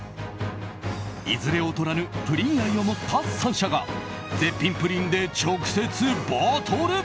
いずれ劣らぬプリン愛を持った３社が絶品プリンで直接バトル。